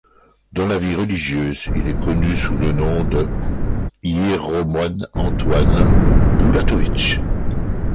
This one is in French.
Dans la vie religieuse, il est connu sous le nom de hiéromoine Antoine Boulatovitch.